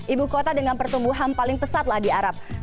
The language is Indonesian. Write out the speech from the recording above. ibu kota dengan pertumbuhan paling pesat lah di arab